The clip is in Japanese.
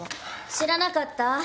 知らなかった？